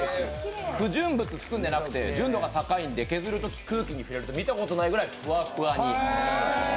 不純物を含んでなくて純度が高いんで、削るとき空気に触れると見たことないくらいにふわふわに。